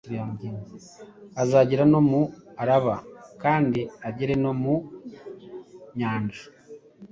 azagera no mu Araba kandi agere no mu nyanja ;